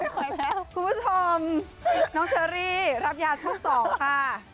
ไปแล้วคุณผู้ชมน้องเชอรี่รับยาช่อง๒ค่ะ